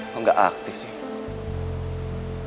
kok gak aktif sih